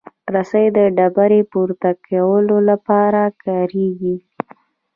رسۍ د ډبرې د پورته کولو لپاره کارېږي.